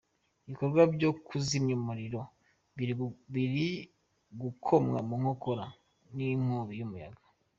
Ibikorwa byo kuzimya umuriro biri gukomwa mu nkokora n'inkubi y'umuyaga.